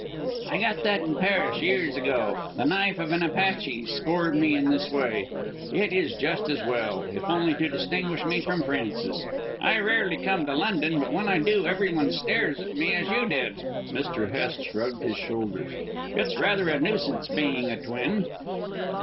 "I got that in Paris years ago; the knife of an Apache scored me in this way. It is just as well, if only to distinguish me from Frances. I rarely come to London, but when I do everyone stares at me, as you did." Mr. Hest shrugged his shoulders. "It's rather a nuisance being a twin."